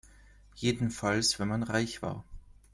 Jedenfalls wenn man reich war.